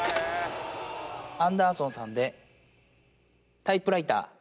アンダーソンさんで、タイプライター。